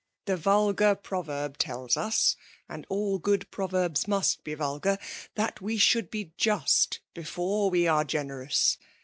The vulgar proverb tells us (and all good proverbs must be vulgar) that we should be just before we are generous.